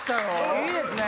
いいですね！